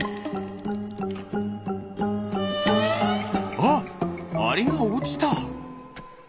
あっアリがおちた！